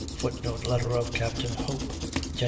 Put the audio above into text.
[Footnote: Letter of Capt. Hope, Jan.